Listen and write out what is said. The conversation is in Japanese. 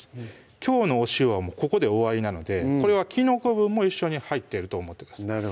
きょうのお塩はここで終わりなのでこれはきのこ分も一緒に入ってると思ってください